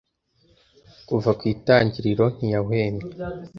kuva ku itangiriro ntiyahwemye